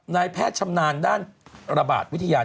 นายแพทย์ชำนาญด้านระบาดวิทยา